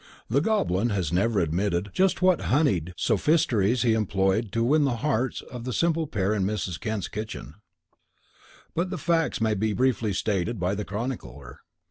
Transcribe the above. The Goblin has never admitted just what honeyed sophistries he employed to win the hearts of the simple pair in Mrs. Kent's kitchen. But the facts may be briefly stated by the chronicler.